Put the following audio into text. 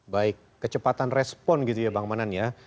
baik kecepatan respon gitu ya bang manan ya